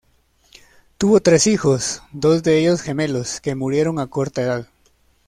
Tuvo tres hijos, dos de ellos gemelos, que murieron a corta edad.